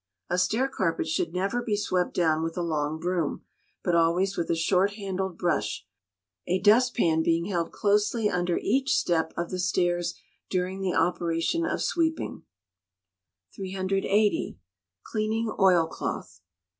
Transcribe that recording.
A stair carpet should never be swept down with a long broom, but always with a short handled brush, a dust pan being held closely under each step of the stairs during the operation of sweeping. 380. Cleaning Oilcloth.